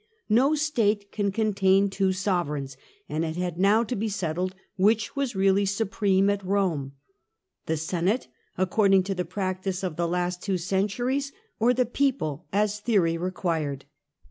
No state can contain two sovereigns, and it had now to be settled which was really supreme at Rome — ^the Senate, according to the practice of the last two centuries, or the People, as theory required.